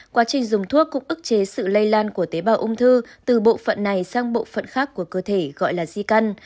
quá trình dùng thuốc cũng ức chế sự lây lan của tế bào ung thư từ bộ phận này sang bộ phận khác của cơ thể gọi là di căn